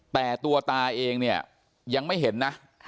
แต่ตัวตาเองเนี่ยยังไม่เห็นนะ